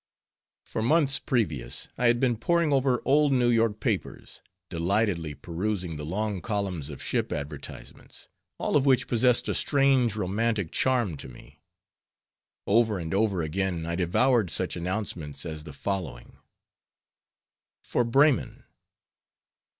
For months previous I had been poring over old New York papers, delightedly perusing the long columns of ship advertisements, all of which possessed a strange, romantic charm to me. Over and over again I devoured such announcements as the following: FOR BREMEN.